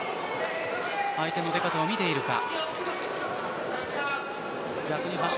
相手の出方を見ているか。